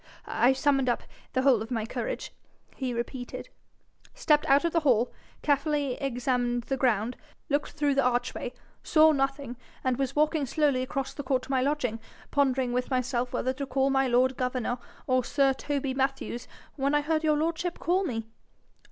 'I summoned up the whole of my courage,' he repeated, 'stepped out of the hall, carefully examined the ground, looked through the arch way, saw nothing, and was walking slowly across the court to my lodging, pondering with myself whether to call my lord governor or sir Toby Mathews, when I heard your lordship call me.'